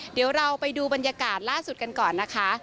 เดี๋ยวเราไปดูบรรยากาศล่าสุดกันก่อนนะคะ